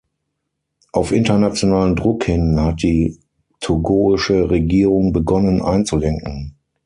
Auf internationalen Druck hin hat die togoische Regierung begonnen einzulenken.